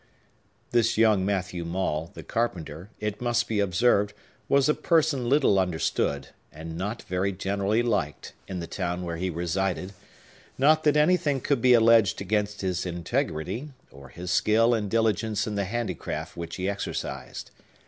This young Matthew Maule, the carpenter, it must be observed, was a person little understood, and not very generally liked, in the town where he resided; not that anything could be alleged against his integrity, or his skill and diligence in the handicraft which he exercised.